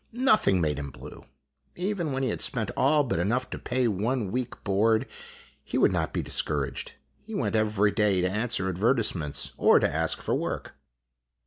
Nothing made him blue. Even when we had spent all but enough to pay one week's board he would not be discouraged. He went every day to answer advertisements or to ask for work.